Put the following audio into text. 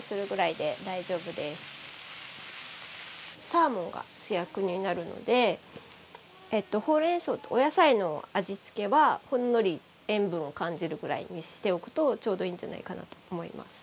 サーモンが主役になるのでほうれんそうとお野菜の味付けはほんのり塩分を感じるぐらいにしておくとちょうどいいんじゃないかなと思います。